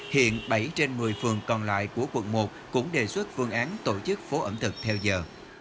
hiện bảy trên một mươi phường còn lại của quận một cũng đề xuất phương án tổ chức phố ẩm thực theo giờ